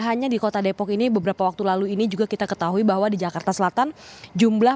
hanya di kota depok ini beberapa waktu lalu ini juga kita ketahui bahwa di jakarta selatan jumlah